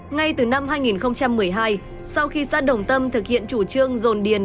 ngay từ năm hai nghìn một mươi hai sau khi xã đồng tâm thực hiện chủ trương dồn điền